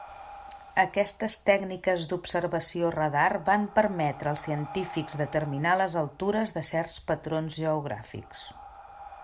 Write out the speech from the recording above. Aquestes tècniques d'observació radar van permetre als científics determinar les altures de certs patrons geogràfics.